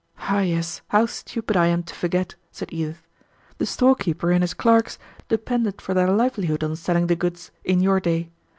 "Ah, yes! How stupid I am to forget!" said Edith. "The storekeeper and his clerks depended for their livelihood on selling the goods in your day.